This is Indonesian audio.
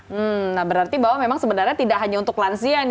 hmm nah berarti bahwa memang sebenarnya tidak hanya untuk lansia nih